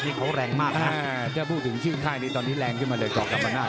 แต่ที่เขาแรงมากจะพูดถึงชื่อค่ายนี้ตอนนี้แรงขึ้นมาเลยก่อนกลับมาหน้า